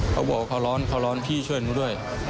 เขาบอกว่าเขาร้อนเขาร้อนพี่ช่วยหนูด้วย